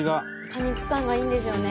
果肉感がいいんですよね。